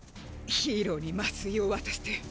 ヒーローに麻酔を渡して！